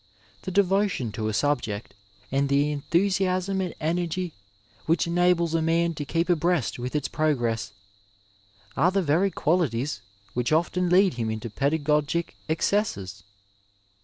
The devotion to a subject^ and the enthusiasm and energy which enables a man to keep abreast with its progress, are the very qualities which often lead him into pedagogic excesses.